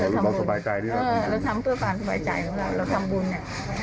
เราทำเพื่อนบ้านสบายใจดีกว่าเราทำบุญอ่ะ